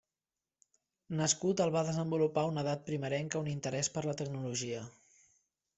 Nascut el va desenvolupar a una edat primerenca un interès per la tecnologia.